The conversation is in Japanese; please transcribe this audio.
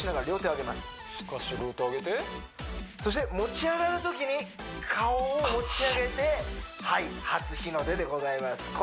両手上げてそして持ち上がるときに顔を持ち上げてはい初日の出でございます